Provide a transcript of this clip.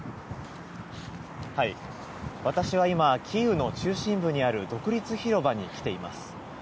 私は今、キーウの中心部にある独立広場に来ています。